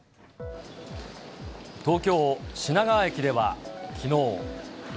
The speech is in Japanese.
東京・品川駅では、きのう。